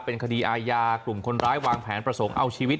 เป็นคดีอาญากลุ่มคนร้ายวางแผนประสงค์เอาชีวิต